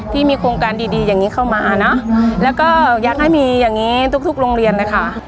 ที่มีโครงการดีดีอย่างนี้เข้ามาเนอะแล้วก็อยากให้มีอย่างนี้ทุกทุกโรงเรียนนะคะ